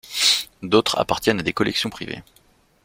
D’autres appartiennent à des collections privées.